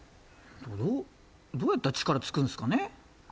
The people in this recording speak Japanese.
どうやったら力つくんですかね？